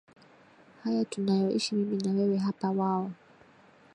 haya tunayoishi mimi na wewe hapa Wao